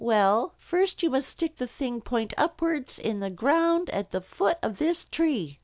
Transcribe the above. "Well, first you must stick the thing point upwards in the ground at the foot of this tree."